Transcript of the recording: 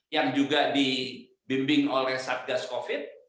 yang juga dibimbing oleh satgas covid